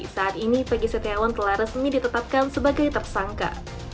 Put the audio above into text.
saat ini pegi setiawan telah resmi ditetapkan sebagai tersangka